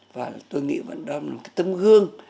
và tôi nghĩ vẫn đó là một cái tâm hương